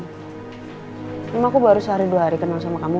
memang aku baru sehari dua hari kenal sama kamu